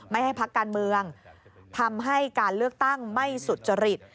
ไม่ให้พักการเมืองทำให้การเลือกตั้งไม่สุจริต